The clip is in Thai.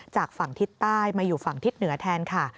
จากฝั่งทิศใต้มาอยู่ฝั่งทิศเหนือแทนค่ะ